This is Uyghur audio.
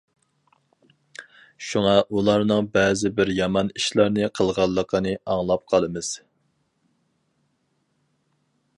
شۇڭا ئۇلارنىڭ بەزى بىر يامان ئىشلارنى قىلغانلىقىنى ئاڭلاپ قالىمىز.